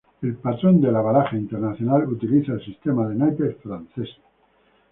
El patrón de la baraja "internacional" utiliza el sistema de naipes franceses.